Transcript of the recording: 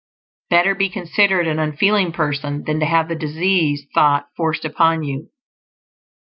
Better be considered an unfeeling person than to have the disease thought forced upon you.